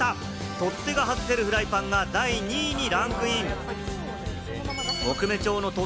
取っ手が外せるフライパンが第２位にランクイン。